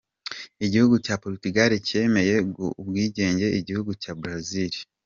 Igihugu cya Portugal cyemeye guha ubwigenge igihugu cya Brazil.